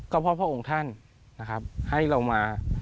ก็เพราะพระองค์ท่านให้เรามา